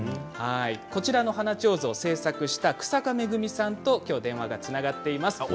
こちらの花手水を製作した日下恵さんときょう電話がつながっています。